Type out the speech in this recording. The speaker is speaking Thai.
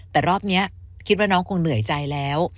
แต่รอบนี้คิดว่าน้องคงเหนื่อยใจแล้ว